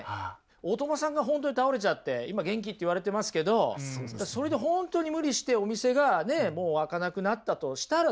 大友さんが本当に倒れちゃって今元気って言われてますけどそれで本当に無理してお店がもう開かなくなったとしたらですよ